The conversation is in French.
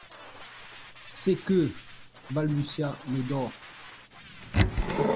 C'est que …, balbutia Médor.